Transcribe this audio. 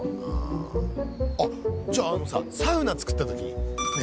あっじゃああのさサウナ作った時のやつ。